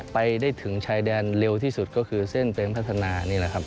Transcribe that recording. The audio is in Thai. ไปได้ถึงชายแดนเร็วที่สุดก็คือเส้นเป็นพัฒนานี่แหละครับ